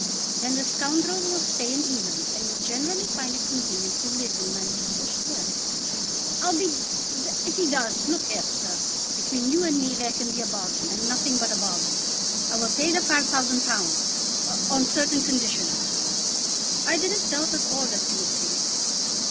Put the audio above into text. "Then the scoundrel will stay in England, and will generally find it convenient to live in Manchester Square." "I'll be d d if he does. Look here, sir. Between you and me there can be a bargain, and nothing but a bargain. I will pay the £5000, on certain conditions." "I didn't doubt at all that you would pay it."